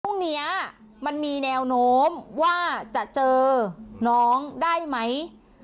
พรุ่งนี้มันมีแนวโน้มว่าจะเจอน้องได้ไหม